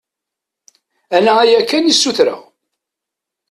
Ala aya kan i d-ssutreɣ.